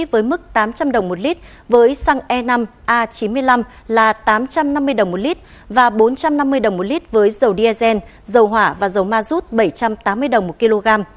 với mức tám trăm linh đồng một lít với xăng e năm a chín mươi năm là tám trăm năm mươi đồng một lít và bốn trăm năm mươi đồng một lít với dầu diesel dầu hỏa và dầu ma rút bảy trăm tám mươi đồng một kg